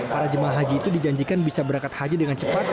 para jemaah haji itu dijanjikan bisa berangkat haji dengan cepat